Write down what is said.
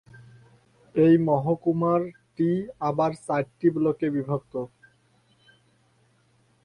এই মহকুমাটি আবার চারটি ব্লকে বিভক্ত।